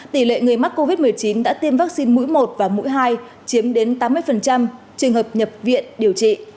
tỷ lệ người mắc covid một mươi chín đã tiêm vaccine mũi một và mũi hai chiếm đến tám mươi trường hợp nhập viện điều trị